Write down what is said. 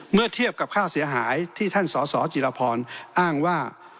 เมื่อเทียบกับค่าเสียหายที่ท่านสสจิรพรอ้างว่า